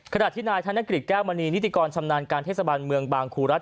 ขณะที่นายธนกฤษแก้วมณีนิติกรชำนาญการเทศบาลเมืองบางครูรัฐ